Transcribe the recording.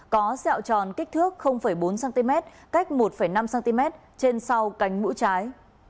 có dẹo tròn kích thước bốn cm cách một năm cm trên sau cánh mũ trái